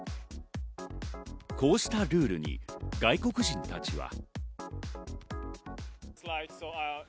こうしたルールに外国人たちは。